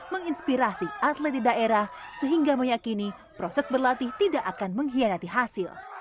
menginspirasi atlet di daerah sehingga meyakini proses berlatih tidak akan mengkhianati hasil